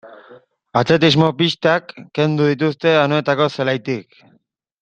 Atletismo-pistak kendu dituzte Anoetako zelaitik.